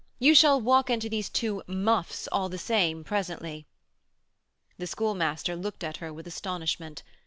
You shall walk into these two 'muffs' all the same, presently." The Schoolmaster looked at her with astonishment.